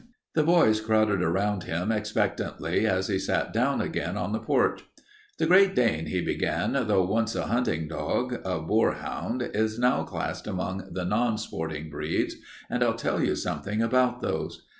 The boys crowded around him expectantly as he sat down again on the porch. "The Great Dane," he began, "though once a hunting dog, a boarhound, is now classed among the non sporting breeds, and I'll tell you something about those.